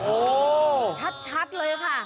โอ้โหชัดเลยค่ะ